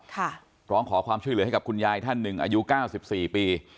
ร้องขอความช่วยเหลือให้กับคุณยายท่านหนึ่งอายุเก้าสิบสี่ปี